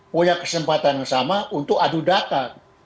punya kesempatan yang sama untuk adu data